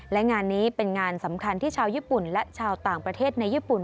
และงานนี้เป็นงานสำคัญที่ชาวญี่ปุ่นและชาวต่างประเทศในญี่ปุ่น